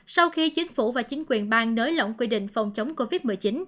sau khi chính phủ và chính quyền bang nới lỏng quy định phòng chống covid một mươi chín